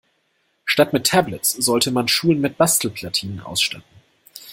Statt mit Tablets sollte man Schulen mit Bastelplatinen ausstatten.